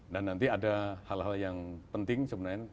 dan nanti ada hal hal yang penting sebenarnya